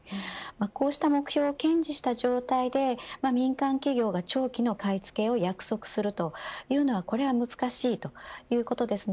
こうした目標を堅持した状態で民間企業が長期の買い付けを約束するというのは、これは難しいです。